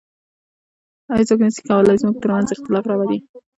هیڅوک نسي کولای زموږ تر منځ اختلاف راولي